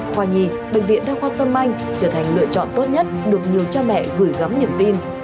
khoa nhi bệnh viện đa khoa tâm anh trở thành lựa chọn tốt nhất được nhiều cha mẹ gửi gắm niềm tin